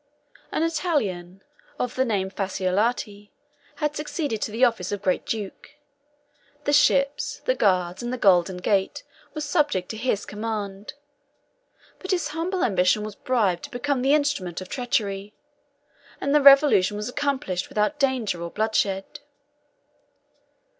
An Italian, of the name of Facciolati, 32 had succeeded to the office of great duke: the ships, the guards, and the golden gate, were subject to his command; but his humble ambition was bribed to become the instrument of treachery; and the revolution was accomplished without danger or bloodshed.